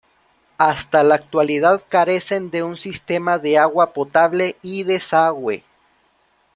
Hasta la actualidad, carecen de un sistema de agua potable y desagüe.